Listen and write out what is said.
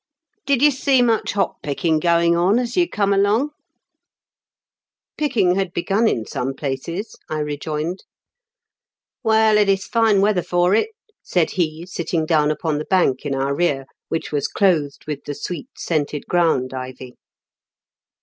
" Did you see much hop picking going on as you come along V *^ Picking had begun in some places,'' I rejoined. Well, it is fine weather for it," said he, sitting down upon the bank in our rear, which was clothed with the sweet scented ground ivy.